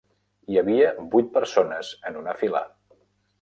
Hi havia vuit persones en una fila.